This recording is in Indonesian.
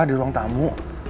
di ruang tamu